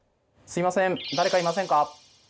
すいません誰かいませんか。